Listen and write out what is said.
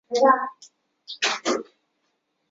线黑粉菌目是银耳纲下属的一种属于真菌的目。